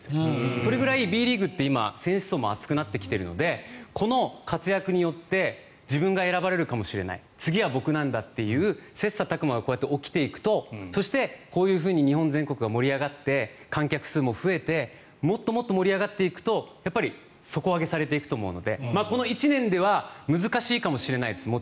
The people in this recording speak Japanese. それぐらいＢリーグって今選手層も厚くなってきてるのでこの活躍によって自分が選ばれるかもしれない次は僕なんだという切磋琢磨が起きていくとそして、こういうふうに日本全国が盛り上がって観客数も増えてもっともっと盛り上がっていくと底上げされていくと思うのでこの１年ではもちろん難しいかもしれないです。